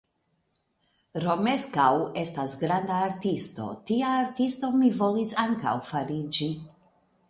Romeskaŭ estas granda artisto, tia artisto mi volis ankaŭ fariĝi.